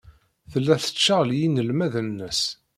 Tella tettcaɣli inelmaden-nnes.